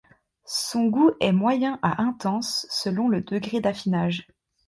Son goût est moyen à intense selon le degré d'affinage.